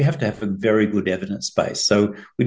dan menambahkan ke tujuan lain